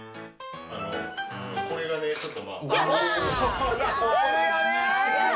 これがね、ちょっと。